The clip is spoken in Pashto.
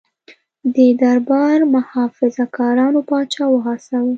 د دربار محافظه کارانو پاچا وهڅاوه.